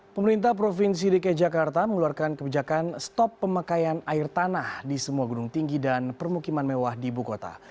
pemerintah provinsi dki jakarta mengeluarkan kebijakan stop pemakaian air tanah di semua gunung tinggi dan permukiman mewah di ibu kota